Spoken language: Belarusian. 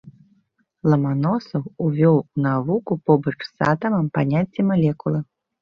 Ламаносаў увёў у навуку побач з атамам паняцце малекулы.